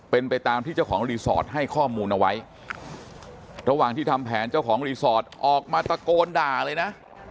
เป็นไปตามที่เจ้าของรีสอร์ทให้ข้อมูลเอาไว้ระหว่างที่ทำแผนเจ้าของรีสอร์ทออกมาตะโกนด่าเลยนะ